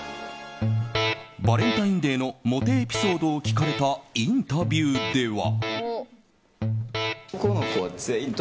バレンタインデーのモテエピソードを聞かれたインタビューでは。